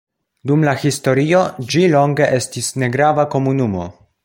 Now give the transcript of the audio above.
Dum la historio ĝi longe estis negrava komunumo.